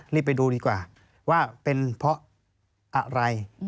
นี่ไปดูดีกว่าว่าเป็นเพราะอะไร